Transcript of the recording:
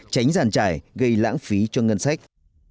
tránh giàn trải gây lãng phí cho ngân sách